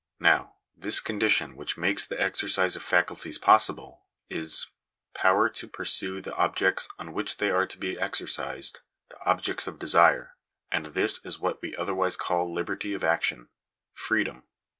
Now, this condition which makes the exercise of faculties possible is— power to pursue the ob jects on which they are to be exercised— the objects of desire ; and this is what we otherwise call liberty of action — freedom.